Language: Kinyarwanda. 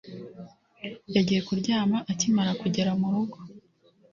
Yagiye kuryama akimara kugera murugo